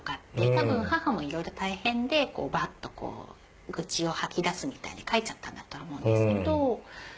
多分母もいろいろ大変でこうバッと愚痴を吐き出すみたいに書いちゃったんだとは思うんですけど。